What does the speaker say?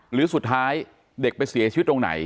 หรือสุดท้ายเด็กไปเสียชีวิตตรงไหน